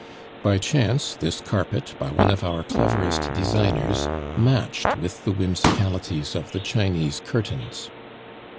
By chance this carpet, by one of our cleverest designers, matched with the whimsicalities of the Chinese curtains.